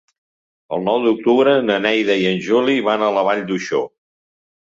El nou d'octubre na Neida i en Juli van a la Vall d'Uixó.